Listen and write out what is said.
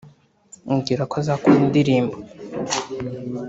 ambwira ko azakora indirimbo